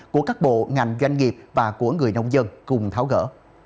của các bộ ngành doanh nghiệp và của người nông dân cùng tháo gỡ